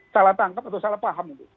salah tangkap atau salah paham